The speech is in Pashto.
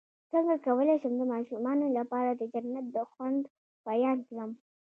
څنګه کولی شم د ماشومانو لپاره د جنت د خوند بیان کړم